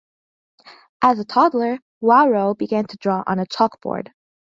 As a toddler, Wawro began to draw on a chalkboard.